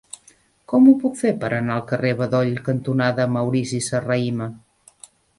Com ho puc fer per anar al carrer Bedoll cantonada Maurici Serrahima?